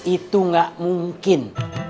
itu gak mungkin